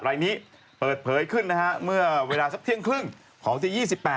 รายนี้เปิดเผยขึ้นนะฮะเมื่อเวลาสักเที่ยงครึ่งของวันที่๒๘